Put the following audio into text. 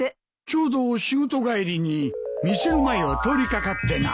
ちょうど仕事帰りに店の前を通りかかってな。